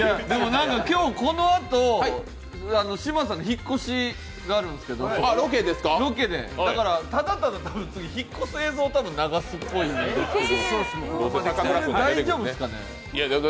今日このあとロケで嶋佐の引っ越しがあるんですけど、ただただ引っ越す映像を流すと思うんですけど、大丈夫ですかね？